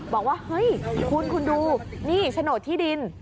บอกว่าเฮ้ยคุณคุณดูนี่โฉนดที่ดิน